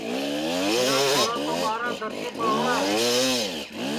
میرا چھورا تو ٻاراں درجے پڑھوڑا ہے